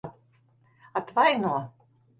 Atvaino?